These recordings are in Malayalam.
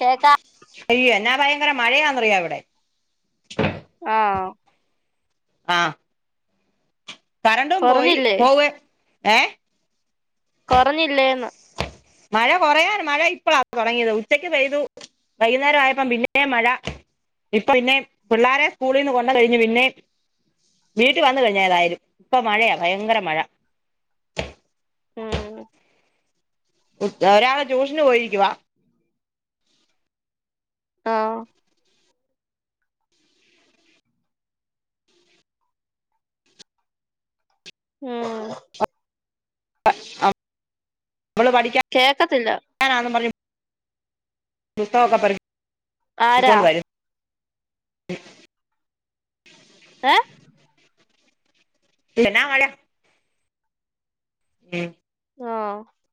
കേക്ക അയ്യോ എന്നാ ഭയങ്കര മഴയാന്നറിയോ ഇവടെ ആ ആ കരണ്ടും പോയി കൊറഞ്ഞില്ലേ പോവെ ഏ കൊറഞ്ഞില്ലേന്ന് മഴ കൊറയാൻ മഴ ഇപ്പഴാ തൊടങ്യേത് ഉച്ചക്ക് പെയ്തു വൈകുന്നേരായപ്പം പിന്നേം മഴ ഇപ്പൊ പിന്നെ പിള്ളാരെ സ്കൂളിന്ന് കൊണ്ട കയ്ഞ് പിന്നേം വീട്ട് വന്ന് കഴിഞേതായാലും ഇപ്പ മഴയാ ഭയങ്കര മഴ ഉം ഉം ഒരാള് ട്യൂഷന് പോയിരിക്കുവ ആ ഉം [inaudible] മ്മള് പഠിക്കാ കേക്കത്തില്ല ഞാനാന്നും പർഞ്ഞ് പുസ്തകൊക്കെ പെർ ആരാ [unintelligible] വരും ഏ എന്നാ മഴ ഉം ആ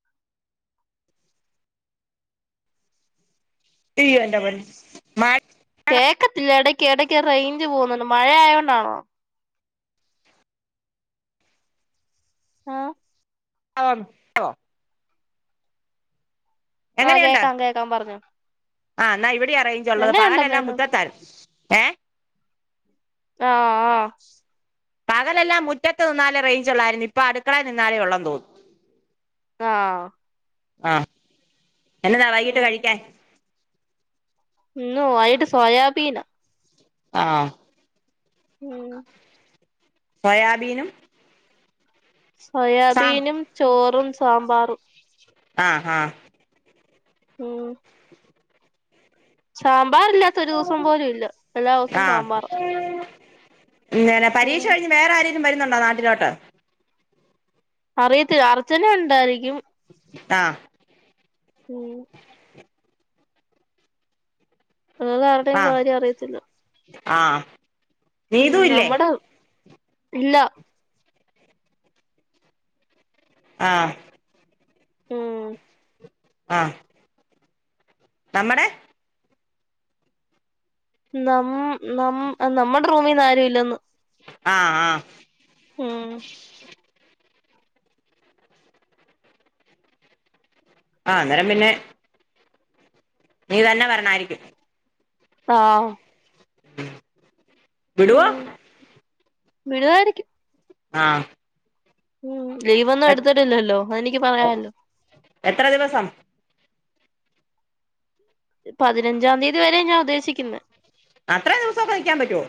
യ്യോഎന്റെ പൊന്ന് കേക്കത്തില്ല എടയ്ക്ക് എടയ്ക്ക് റെയ്ഞ്ച് പോവ്ന്ന്ണ്ട് മഴയായോണ്ടാണോ ആ ആം ആഹ് എങ്ങനെയുണ്ട് കേക്കാം കേക്കാം പറഞ്ഞോ ആ ന്നാ വിടെയാ റേഞ്ചുള്ളത് പകലെല്ലാം എങ്ങനെയുണ്ടെന്നേനു മുറ്റത്താ ആ ആ [inaudible] പകലെല്ലാം മുറ്റത്ത് നിന്നാലേ റേഞ്ച് ഉള്ളായിരുന്നു ഇപ്പൊ അടുക്കള നിന്നാലേ ഉള്ളെന്നുതോന്നുന്നു ആഹാ ആ എന്നതാ വൈകീട്ട് ഉം കഴിക്കാൻ ഇന്ന് വൈകീട്ട് സോയാബീനാ ആഹാ ഉം സോയാബീനും സാം സോയാബീനും ചോറും സാമ്പാറും ആഹാ ആഹാ ഉം സാമ്പാറില്ലാത്ത ഒരു ദിവസം പോലും ഇല്ല എല്ലാസോം സാമ്പാറാ ഇങ്ങനെ പരീക്ഷ ഉം കഴിഞ്ഞ് വേറെ ആരേലും വരുന്നുണ്ടോ നാട്ടിലോട്ട് അറിയത്തില്ല അർച്ചന ഉണ്ടായിരിക്കും ആഹാ ഉം വേറേ ആരുടെയും കാര്യ അറിയത്തില്ല ആഹാ മഉം നമ്മടെ ഇല്ല ആഹാ ഉം ആ നമ്മടെ നമ്മ് നമ്മ് നമ്മടെ റൂമിന്ന് ആരൂഇല്ലന്ന് ആഹാ ആഹാ ഉം ആ അന്നേരം പിന്നെ നീ തന്നെ വരണായിരിക്കും ആഹാ വിടുവോ ഉം വിടുവായിരിക്കും ആഹാ ഉം ലീവൊന്നും എടുത്തിട്ടില്ലല്ലോ അതെനിക്ക് പറയാലോ എത്ര ദിവസം പതിനഞ്ചാം തീയതി വരെ ഞാൻ ഉദ്ദേശിക്കുന്നെ അത്രയും ദിവസൊക്കെ നിക്കാൻ പറ്റുവോ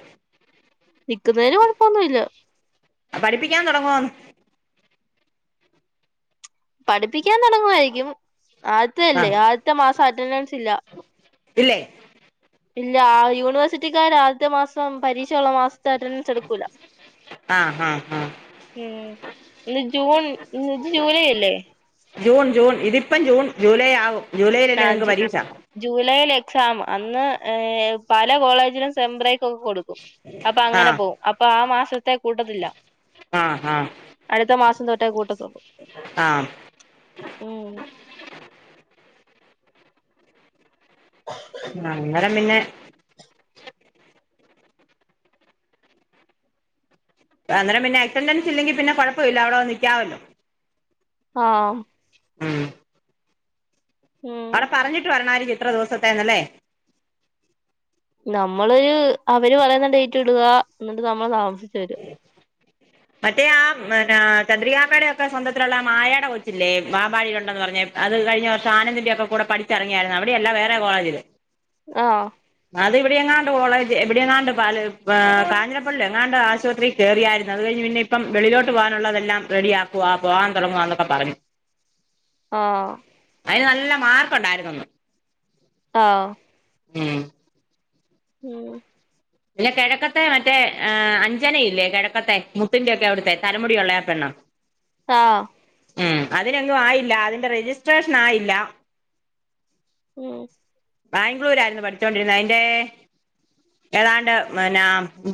നിക്കുന്നേന് കൊഴപ്പൊന്നുല്ല പഠപ്പിക്കാൻ തുടങ്ങുവന്ന് പഠിപ്പിക്കാൻ തുടങ്ങുവായിരിക്കും ആതിത്യല്ലേ ആഹ് ആദ്യത്തെ മാസം അറ്റൻഡൻസ് ഇല്ല ഇല്ലേ ഇല്ല ആ യൂണിവേഴ്സിറ്റിക്കാര ആ ദ് റ്റ മാസം പരീക്ഷയുള്ള മാസത്തെ അറ്റൻഡൻസ് എടുക്കൂല ആഹാ ഹാ ഉം ഇന്ന് ജൂൺ ഇന്ന് ജൂലൈ അല്ലേ ജൂൺ ജൂൺ ഇതിപ്പം ജൂൺ ജൂലൈ ആവും ജൂലൈയിലല്ലേ നിങ്ങക്ക് പരീക്ഷ ജൂലൈൽ എക്സാം അന്ന് ഏ പല കോളേജിലും സെം ബ്രേക്ക് ഒക്കെ കൊടുക് അപ്പൊ അങ്ങനെ ആഹ് പോകും അപ്പൊ ആ മാസത്തെ കൂട്ടത്തില്ല ആഹ് അടുത്ത മാസം തൊട്ടെ കൂട്ടത്തുള്ളൂ ആഹാ ഉം [inaudible] ആ അന്നേരം പിന്നെ അന്നേരം പിന്നെ അറ്റെൻഡൻസ് ഇല്ലെങ്കിൽ കുഴപ്പമില്ല അവിടെ വന്ന് നിക്കാവല്ലോ ആഹ് ഉം ഉം അവിടെ പറഞ്ഞിട്ട് വരണായിരിക്കും ഇത്ര ദിവസത്തെേന്നല്ലേ നമ്മള് അവര് പറയുന്ന ഡേറ്റ് ഇടുക എന്നിട്ട് നമ്മള് താമസിച്ചു വരും മറ്റേ ആ പിന്ന ചന്ദ്രികാപ്പെടെയൊക്കെ സ്വന്തത്തിലുള്ള മായെട കൊച്ചില്ലേ വാബാഴയിലുണ്ടന്ന് പറഞ്ഞാ അത് കഴിഞ്ഞ വർഷം ആനന്ദിന്റെ ഒക്കെ കൂടെ പഠിച്ചിറങ്ങിയായിരുന്നു അവിടെയല്ല വേറെ കോളേജില് ആഹ് അത് ഇവിടെ എങ്ങാണ്ട് കോളേജ് എവിടെ എങ്ങാണ്ട് കാഞ്ഞിരപ്പള്ളി എങ്ങാണ്ട് ആശുപത്രിയിൽ കേറിയാരുന്ന് അത് കഴിഞ് പിന്നെ ഇപ്പം വെളിലോട്ട് പോകാനുള്ളതെല്ലാം റെഡിയാക്കുക പോവാൻ തുടങ്ങുകവാന്നൊക്കെ പറഞ്ഞു ആഹ് അതിന് നല്ല മാർക്ക് ഉണ്ടായിരുന്നെന്ന് ആഹ് ഇം ഉം ഇല്ല കിഴക്കത്തെ മറ്റേ അഞ്ചനയില്ലേ കിഴക്കത്തെ മുത്തിന്റെയൊക്കെ അവിടുത്തെ തലമുടി ഉള്ള ആ പെണ്ണ് താ മം അതിനെങ്ങും ആയില്ല അതിന്റെ രജിസ്ട്രേഷൻ ആയില്ല ഉം ബാഗ്ളൂർ ആായിരുന്നു പഠിച്ചോണ്ടിരുന്നത് അയിന്റെ ഏതാണ്ട് പിന്നാ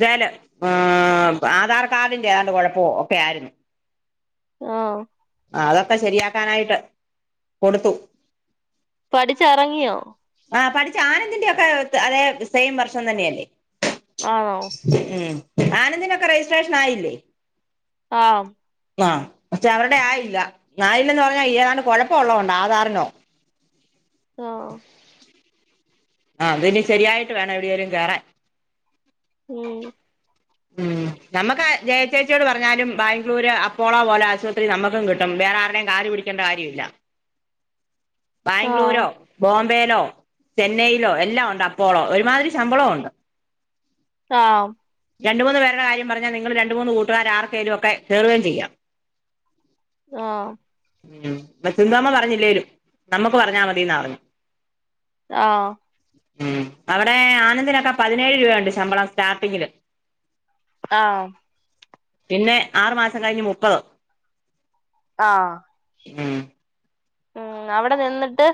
ഗേലം ആ ആധാർ കാർഡിന്റെ ഏതാണ്ട് കുഴപ്പോ ഒക്കെ ആയിരുന്നു ആഹ് ആ അതൊക്കെ ശരിയാക്കാനായിട്ട് കൊടുത്തു പഠിച്ചിറങ്ങിയോ ആ പഠിച്ച ആനന്ദിന്റെ ഒക്കെ അതെ സെയിം വർഷം തന്നെയല്ലേ ആഹ് ഓ മം ആനന്ദിനൊക്കെ രജിസ്ട്രേഷൻ ആയില്ലേ ആഹ് ആ പക്ഷേ അവരുടെ ആയില്ല ആയില്ലെന്ന് പറഞ്ഞാൽ ഏതാണ്ട് കുഴപ്പം ഉള്ളത് കൊണ്ട ആധാറിനോ ആഹ ആ ആദ് ഇനി ശരിയായിട്ട് വേണം എവിടെയെങ്കിലും കേറാൻ ഉം ഉം നമുക്ക് ജയ ചേച്ചിയോട് പറഞ്ഞാൽ ബാംഗ്ളൂർ അപ്പോളോ പോലെ ആശുപത്രി നമുക്കും കിട്ടും വേറെ ആരുടെയും കാൽ പിടിക്ക് കണ്ട കാര്യമില്ല ആഹ് ബാംഗ്ലൂരോ ബോംബെയിലോ ചെന്നൈയിലോ എല്ലാം ഉണ്ട് അപ്പോളോ ഒരുമാതിരി ശമ്പളവും ഉണ്ട് ആഹ രണ്ട് മൂന്ന് പേരുടെ കാര്യം പറഞ്ഞാൽ നിങ്ങൾ രണ്ടുമൂന്ന് കൂട്ടുകാർ ആർകെങ്കിലും ഒക്കെ ചെരു വോം ചെയ്യാം ആഹ ഉം വസന്തമാ പറഞ്ഞില്ലേലും നമ്മുക്ക് പറഞ്ഞാൽ മതിന്ന് പറഞ്ഞേ ആഹ ഉം അവിടെ ആനന്ദിനൊക്കെ പതിനേഴ് രൂപയുണ്ട് ശമ്പളം സ്റ്റാർട്ടിങ്ങില്. ആഹ്. പിന്നെ ആറു മാസം കഴിഞ്ഞ് മുപ്പത്. ആഹ് ഉം മം അവിടെ നിന്നിട്ട്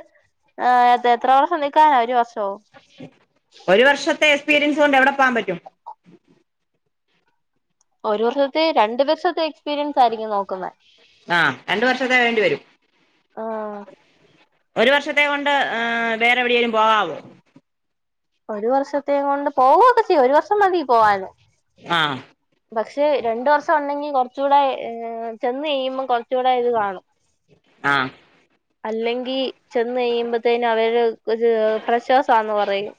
എത്ര വർഷം നിക്കന. ഒരു വർഷോ? ഒരു വർഷത്തെ എക്സ്പീരിയൻസ് കൊണ്ട് എവിടെ പോകാൻ പറ്റും? ഒരു വർഷത്തെ രണ്ടു വർഷത്തെ എക്സ്പീരിയൻസ് ആയിരിക്കും നോക്കുന്നെ. ആഹ് രണ്ടു വർഷത്ത വേണ്ടി വരും. ആഹ് ഒരു വർഷത്തെ കൊണ്ട് ഏഹ് വേറെ എവിടെയെങ്കിലും പോകാവോ? ഒരു വർഷത്തേ കൊണ്ട് പൊവൊക്കെ ചെയ്യാം. ഒരു വർഷം മതി പോവാന്. ആഹ്. പക്ഷേ രണ്ടു വർഷം ഉണ്ടെങ്കി കുറച്ചു കൂടെ ഏഹ് ചെന്ന് കഴിയുമ്പം കൊറ കുറച്ചുകൂടെ ഇത് കാണും. ആഹ് അല്ലെങ്കി ചെന്ന് കഴിയുമ്പഴത്തേന് അവര് ഒര് പ്രശ്യസ്സാന്ന് പറയും.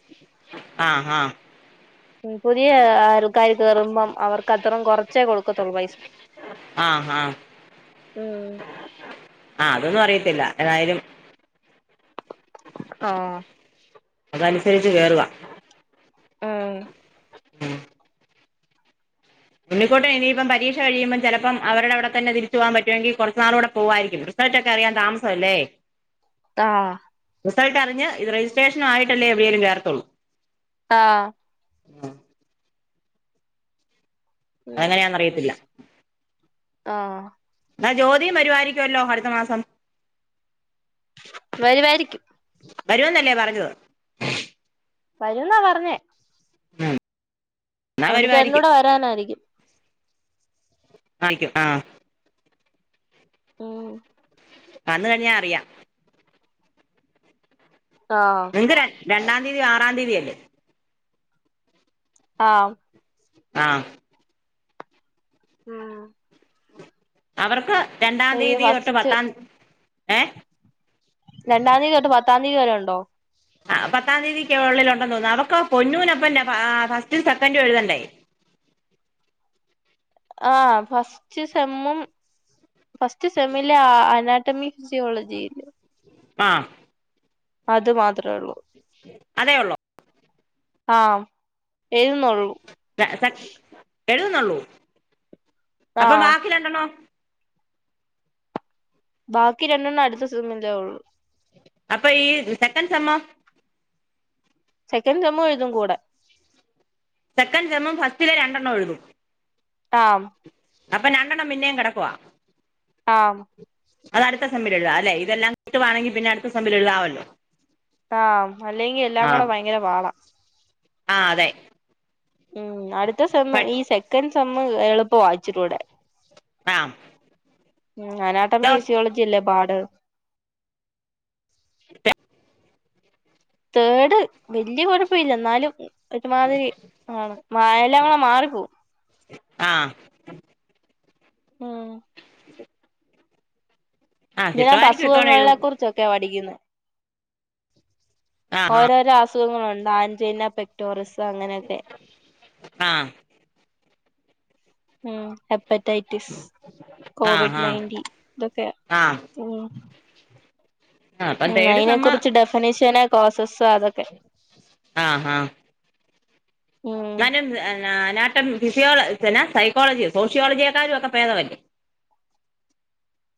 ആഹ് ആഹ്. ഉം പുതിയ ആൾക്കാർ കയറുമ്പം അവർക്ക് അത്രം കൊറ ച്ചേ കൊടുക്കത്തുള്ളൂ പൈസ. ആഹ് ആഹ് ഉം ആഹ് അതൊന്നും അറിയത്തില്ല. ഏതായാലും ആഹ്. അതനുസരിച്ച് കേറുവാ. ഏഹ്. ഉണ്ണിക്കുട്ടൻ ഇനിയിപ്പം പരീക്ഷ കഴിയുമ്പോ ചിലപ്പം അവരുടെ അവിടെ തന്നെ തിരിച്ചു പോവാൻ പറ്റുമെങ്കി കുറച്ചുനാളു കൂടെ പോവായിരിക്കും. റിസൾട്ട്‌ ക്കറിയാൻ താമസല്ലേ. ട്ടാ. റിസൾട്ട് അറിഞ്ഞ് ഇത് രജിസ്ട്രേഷൻ ആയിട്ടല്ലേ എവിടെയെങ്കിലും കേറത്തുള്ളൂ. ആഹ്. ഉം അതങ്ങനെയാന്നറിയത്തില്ല. ആഹ് എന്നാ ജോതീം വരുമായിരിക്കല്ലോ അടുത്ത മാസം. വരുവായിരിക്കും. വരൂന്നല്ലേ പറഞ്ഞത്. വരുന്നാ പറഞ്ഞേ. ഉം എന്നാ ഉണ്ണിച്ചേട്ടൻ്റെ വരുവായിരിക്കും കൂടെ വരാനായിരിക്കും. ആയിരിക്കും. ആഹ് ഉം വന്ന് കഴിഞ്ഞാ അറിയാം. ആഹ്. ഇത് രണ്ട് രണ്ടാം തീയതി ആറാം തീയതിയല്ലേ. ആഹ്. ആഹ്. ഉം അവർക്ക് രണ്ടാം ഈ തീയതി തൊട്ട് ഫസ്റ്റ് പത്താം ഏഹ്. രണ്ടാം തിയതി തൊട്ട് പത്താം തിയതി വരെ ഉണ്ടോ? ആഹ് പത്താം തീയതിക്കുള്ളിൽ ഉണ്ടെന്ന് തോന്നുന്നു. അവക്ക് പൊന്നുനപ്പന്നെ ഫസ്റ്റും സെക്കൻറും എഴുതണ്ടേ. ആഹ് ഫസ്റ്റ് സെമ്മും ഫസ്റ്റ് സെമ്മിലെ അനാറ്റമി സുയോളജിയില്. ആഹ് അത് മാത്രേ ഉള്ളൂ. അതേയൊള്ളോ? ആഹ് എഴുതുന്നോള്ളൂ എഴുതുന്നോള്ളൂ അപ്പൊ ആഹ് ബാക്കിരണ്ടണ്ണോ ബാക്കി രണ്ടെണ്ണം അടുത്ത സെമ്മിലെ ഒള്ളൂ അപ്പൊ ഈ സെക്കന്റ് സെമ്മോ സെക്കന്റ്‌ സെമ്മും എഴുതും കൂടെ സെക്കന്റ് സെമ്മും ഫസ്റ്റിലെ രണ്ടെണ്ണം എഴുതും ആമ് അപ്പോ രണ്ടെണ്ണം പിന്നേം കെടക്കുവാ ആമ് അത് അടുത്ത സെമ്മിലെഴുതാല്ലേ ഇതെല്ലാം കിട്ടുവാണെങ്കി പിന്നെ അടുത്ത സെമ്മിലെഴുതാവല്ലോ ആഹ് അല്ലെങ്കി എല്ലാം കൂടെ പയങ്കര പാടാ ആ അതെ ഉം അടുത്ത സെമ്മ് ഈ സെക്കൻഡ് സെമ്മ് എളുപ്പവാ ഇച്ചിരുടെ ആ അനാട്ടമി ഫിസിയോളജി അല്ലേ പാട് [unintelligible] തേഡ് വല്യ കൊഴപ്പഇല്ല എന്നാലും ഒരുമാതിരി ആണ് മാ എല്ലാകൂടെ മാറിപ്പോം ആഹ് ഉം ആ ഇതിനാത്ത് കിട്ടുമായിരിക്കും ഇത്തവണ അസുഖങ്ങളിലെ എഴുതുമ്പോ കുറിച്ചൊക്കെയാ പഠിക്കുന്നേ ആ ഓരോരോ അസുഖങ്ങളോണ്ട് ആഞ്ചെനാ പെക്ടോറിസ് അങ്ങനെക്കെ ആ ആ ഉം ഹെപ്പറ്റൈറ്റിസ് ആ കോവിഡ് ആ നൈന്റി ഇതൊക്കെയാ ആ ഉം ആ അപ്പം ഉം തേർഡ് അയിനെ സെമ്മ് കുറിച്ച് ഡെഫിനിഷന് കോസസ്സ് അതൊക്കെ ആഹ് ആഹ് ഉം ഞാനും അനാട്ടമി ഫിസിയോള സെനാ സൈക്കോളജിയോ സോഷ്യോളജിയെക്കാലു ഒക്കെ പേദവല്ലേ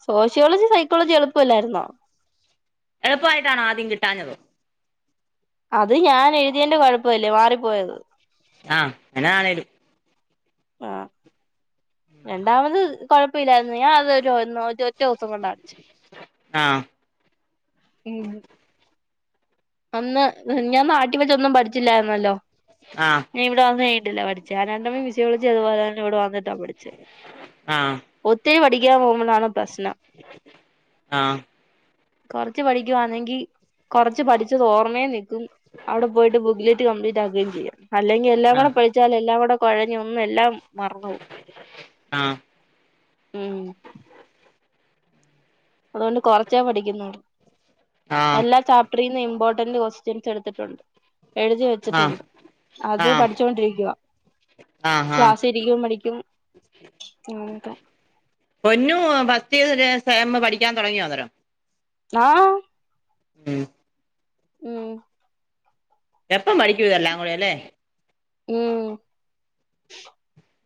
സോഷ്യോളജി സൈക്കോളജി എളുപ്പല്ലാരുന്നോ എളുപ്പായിട്ടാണോ ആദ്യം കിട്ടാഞ്ഞത് അത് ഞാൻ എഴുതിയെന്റെ കൊഴപ്പവല്ലേ മാറിപ്പോയത് ആഹ് എന്നതാണെലും ആഹ് രണ്ടാമത് കൊഴപ്പഇല്ലാരുന്നു ഞാൻ അതൊരു ഒന്നോ ഒര് ഒറ്റൊസം കൊണ്ടാടച്ച് ആ ഉം അന്ന് ഞാൻ നാട്ടി വെച്ചൊന്നും പഠിച്ചില്ലാര്ന്നല്ലോ ആഹ് ഞാൻ ഇവടെ വന്ന്ക്കഴിഞ്ഞട്ടല്ലേ പഠിച്ചേ അനാട്ടമി ഫിസിയോളജി അതുപോലെ തന്നെ ഇവടെ വന്നിട്ടാ പഠിച്ചേ ആ ഒത്തിരി പഠിക്കാൻ പോവുമ്പളാണ് പ്രശ്നം ആഹ് കൊറച്ച് പഠിക്കുവന്നെങ്കി കൊറച്ച് പഠിച്ചത് ഓർമേ നിക്കും അവടെ പോയിട്ട് ബുക്ക്ലറ്റ് കംപ്ലീറ്റ് ആക്കുകേം ചെയ്യാം അല്ലെങ്കിൽ എല്ലാം ആ കൂടെ പഠി ച്ചാൽ എല്ലാം കൂടെ കൊഴഞ് ഒന്നും എല്ലാം മറന്ന് പോം ആഹ് ഉം അതുകൊണ്ട് കൊറച്ചേ പഠിക്കുന്നൊള്ളു ആഹ് എല്ലാ ചാ പ്പ്ട്രിന്ന് ഇമ്പോർട്ടന്റ് ക്വസ്റ്റിൻസ് എടുത്തിട്ടോണ്ട് എഴുതി ആഹ് വെച്ചിട്ടോണ്ട് അത് ആഹ് പഠിച്ചോണ്ടിരിക്കുവാ ആഹ് ആഹ് ക്ലാസ്സി ഇരിക്കും പഠിക്കും [unintelligible] പൊന്നു ഫസ്റ്റ് ഇയർ സെമ്മ് പഠിക്കാൻ തൊടങ്ങിയൊ അന്നേരം നാഹ് ഉം ഉം എപ്പം പഠിക്കും ഇതെല്ലാം കൂടെയല്ലേ ഉം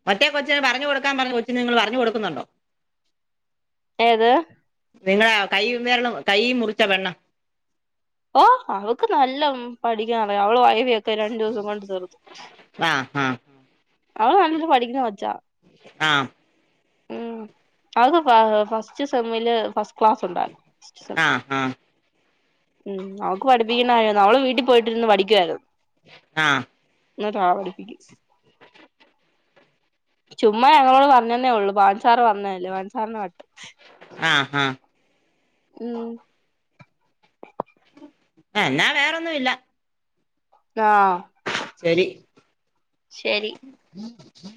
മറ്റേ കൊച്ചിന് പറഞ്ഞു കൊടുക്കാൻ പറഞ്ഞ കൊച്ചിന് നിങ്ങള് പറഞ്ഞ് കൊടുക്കുന്നോണ്ടോ? ഏത്? നിങ്ങളെ കൈ വെരള് കൈ മുറിച്ച പെണ്ണ്. ഓഹ് അവക്ക് നല്ല പഠിക്കാൻ അറിയ അവള് വൈവിയ ക്കെ രണ്ടു ദിവസം കൊണ്ട് തീർത്തു ആഹ് അവള് നല്ലോലേ പഠിക്കുന്ന കൊച്ചാ ആഹ് ഉം അവക്ക് ഫസ്റ്റ് സെമില് ഫസ്റ്റ് ക്ലാസ് ഉണ്ടായിരുന്നു. ആഹ് ആഹ്. ഉം അവക്ക് പഠിപ്പിക്കുന്നായിരുന്നു അവള് വീട്ടിൽ പോയിട്ടിരുന്ന് പഠിക്കുവായിരുന്നു. ആഹ് ഇന്ന് ത പടിപ്പിക്കും. ചുമ്മ ഞങ്ങളോട് പറഞ്ഞന്നേ ഉള്ളൂ പാൻസാർ പറഞ്ഞല്ലേ പാൻസാറിനെ വട്ട് ആഹ് ആഹ്. കൂ- ഏഹ് എന്നാ വേറൊന്നും ഇല്ല. ആഹ്. ശരി. ശരി. [inaudible]